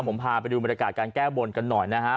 ผมพาไปดูบริการการแก้บ่นกันหน่อยนะครับ